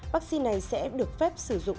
vaccine này sẽ được phép sử dụng